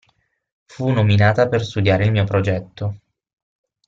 Fu nominata per studiare il mio progetto.